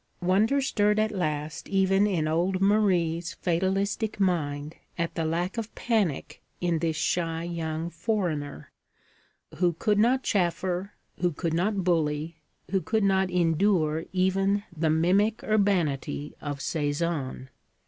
Wonder stirred at last even in old Marie's fatalistic mind at the lack of panic in this shy young foreigner who could not chaffer, who could not bully, who could not endure even the mimic urbanity of Sézanne.